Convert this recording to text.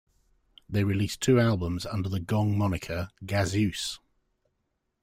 They released two albums under the Gong moniker, Gazeuse!